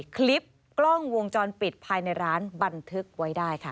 คลิปกล้องวงจรปิดภายในร้านบันทึกไว้ได้ค่ะ